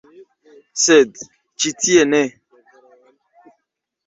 Sed ĉi tie ne.